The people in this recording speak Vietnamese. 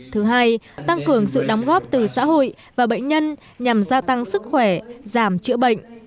thứ hai tăng cường sự đóng góp từ xã hội và bệnh nhân nhằm gia tăng sức khỏe giảm chữa bệnh